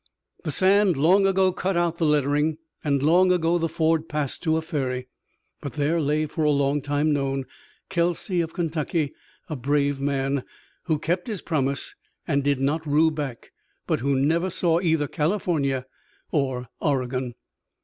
The sand long ago cut out the lettering, and long ago the ford passed to a ferry. But there lay, for a long time known, Kelsey of Kentucky, a brave man, who kept his promise and did not rue back, but who never saw either California or Oregon.